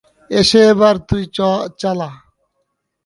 এসে এবার তুই চালা।